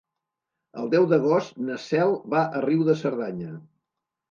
El deu d'agost na Cel va a Riu de Cerdanya.